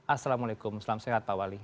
assalamualaikum selamat sehat pak wali